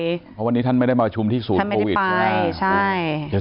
เพราะวันนี้ท่านไม่ได้มาวัคชุมที่ศูนย์โควิด